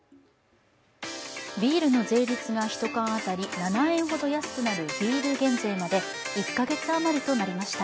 ビールの税率が１缶当たり７円ほど安くなるビール減税まで１か月余りとなりました。